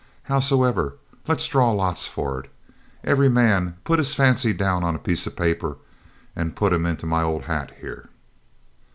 Howsoever, let's draw lots for it. Every man put his fancy down on a bit of paper, and put 'em into my old hat here.'